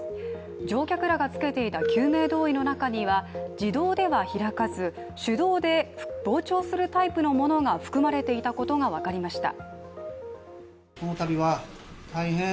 乗客らが着けていた救命胴衣の中には自動では開かず手動で膨張するタイプのものが含まれていたことが分かりました。